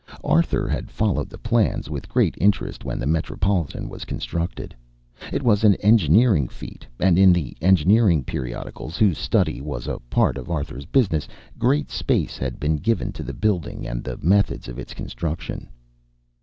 Arthur had followed the plans with great interest when the Metropolitan was constructed. It was an engineering feat, and in the engineering periodicals, whose study was a part of Arthur's business, great space had been given to the building and the methods of its construction.